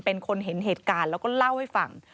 เป็นคนเห็นเหตุการณ์แล้วก็เล่าให้ฟัง